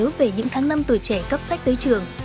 tôi nhớ về những tháng năm tuổi trẻ cắp sách tới trường